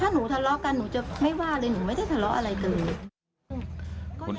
ถ้าหนูทะเลาะกันหนูจะไม่ว่าเลยหนูไม่ได้ทะเลาะอะไรกันเลย